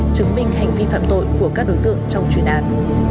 chứng minh hành vi phạm tội của các đối tượng trong chuyên án